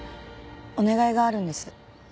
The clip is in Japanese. お願いがあるんです。